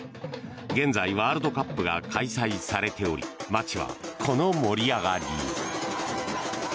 現在、ワールドカップが開催されており街はこの盛り上がり。